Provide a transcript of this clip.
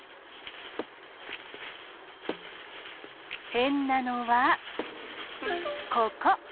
へんなのはここ！